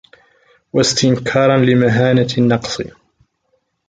وَاسْتِنْكَارًا لِمَهَانَةِ النَّقْصِ